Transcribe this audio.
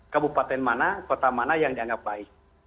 kabupaten mana kota mana yang dianggap baik